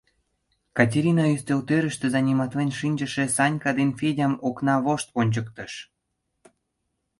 — Катерина ӱстелтӧрыштӧ заниматлен шинчыше Санька ден Федям окна вошт ончыктыш.